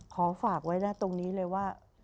ขอฝากไว้นะตรงนี้เลยว่า